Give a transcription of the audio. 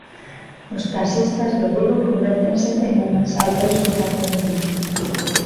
Os taxistas de Vigo convértense en embaixadores do Xacobeo.